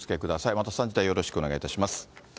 また３時台、よろしくお願いいたします。